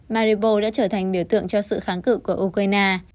maribo đã trở thành biểu tượng cho sự kháng cự của ukraine